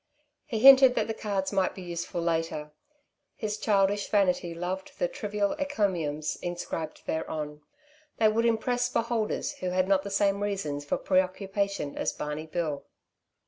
He hinted that the cards might be useful later. His childish vanity loved the trivial encomiums inscribed thereon. They would impress beholders who had not the same reasons for preoccupation as Barney Bill.